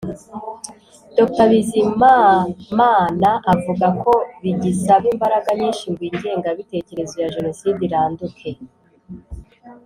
Dr Bizimamana avuga ko bigisaba imbaraga nyinshi ngo ingengabitekerezo ya Jenoside iranduke